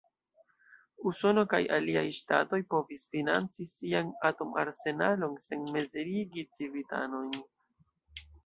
Usono kaj aliaj ŝtatoj povis financi sian atom-arsenalon sen mizerigi civitanojn.